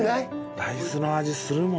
大豆の味するもんな。